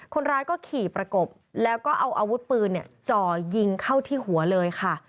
คนร้ายก็ขี่ประกบแล้วก็เอาอาวุธปืนจ่อยิงเข้าที่หัวเลยค่ะ